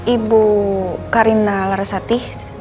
ibu karina larasati